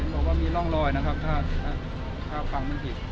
บอกว่ามีร่องรอยนะครับถ้าฟังไม่ผิด